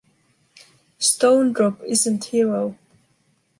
Stone drop isn’t hero.